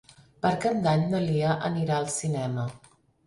Per Cap d'Any na Lea anirà al cinema.